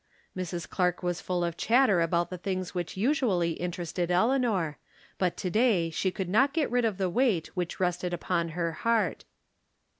Mrs. Clarke was full of chatter about the things which usually interested Eleanor, but to day she could not get rid of the weight which rested upon her heart.